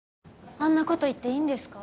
あんなこと言っていいんですか？